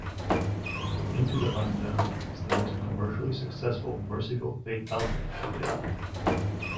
"Into the Unknown" is the most commercially successful Mercyful Fate album to date.